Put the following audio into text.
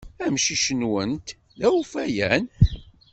Amcic-nwent d awfayan.